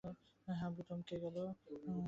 হাবলু থমকে গেল।